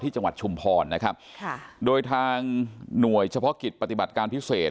จังหวัดชุมพรนะครับค่ะโดยทางหน่วยเฉพาะกิจปฏิบัติการพิเศษ